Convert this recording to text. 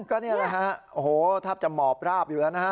ก็นี่แหละฮะโอ้โหแทบจะหมอบราบอยู่แล้วนะฮะ